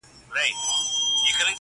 توره به یم خو د مکتب توره تخته یمه زه,